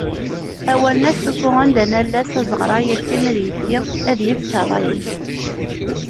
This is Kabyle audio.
Awalen-a ssufuɣen-d anallas azeɣray akken ad yekki ad yefk rray-is.